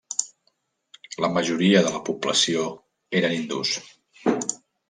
La majoria de la població eren hindús.